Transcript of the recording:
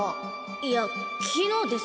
いや昨日ですよ